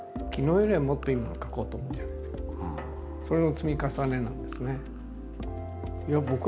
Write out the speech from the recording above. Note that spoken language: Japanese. だけどもそれの積み重ねなんですね。